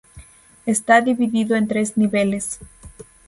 Está dividido en tres niveles.